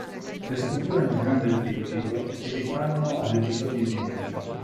Le sculture nel grande trittico si rifanno ad episodi biblici.